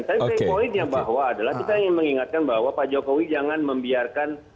tapi poinnya bahwa adalah kita ingin mengingatkan bahwa pak jokowi jangan membiarkan